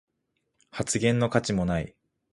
発言の価値もない